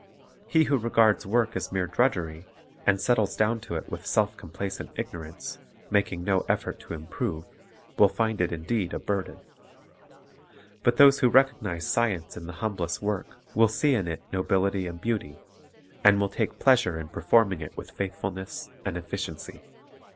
He who regards work as mere drudgeiy, and settles down to it with self complacent ignorance, making no effort to improve, will find it indeed a burden. But those who recognize science in the humblest work will see in it nobility and beaut} , and will take pleasure in performing it with faithfulness and efficiency.